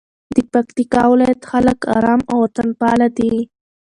د پکتیکا ولایت خلک آرام او وطنپاله دي.